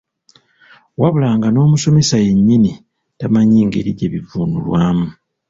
Wabula nga n’omusomesa yennyini tamanyi ngeri gye bivvunulwamu.